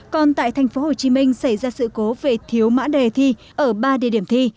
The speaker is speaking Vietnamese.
còn tại thành phố hồ chí minh xảy ra sự cố về thiếu mã đề thi ở ba địa điểm thi